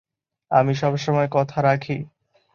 আমি সবসময় কথা রাখি।